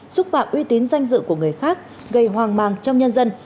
xúc phạm uy tín danh dự của người khác gây hoang mang trong nhân dân